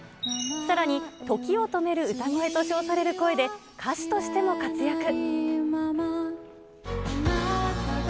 さらに時を止める歌声と称される声で、歌手としても活躍。